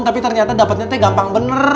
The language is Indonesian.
tapi ternyata dapetnya teh gampang bener